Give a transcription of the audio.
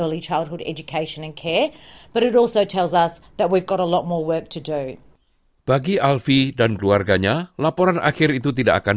tapi juga memberi tahu kami bahwa kami mempunyai banyak kerja yang perlu dilakukan